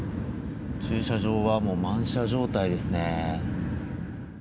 駐車場はもう満車状態ですね。